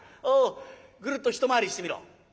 おおぐるっと一回りしてみろ。